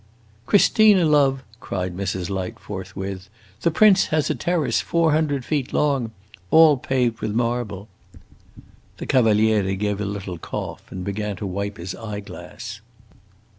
"Christina, love," cried Mrs. Light forthwith, "the prince has a terrace four hundred feet long, all paved with marble!" The Cavaliere gave a little cough and began to wipe his eye glass.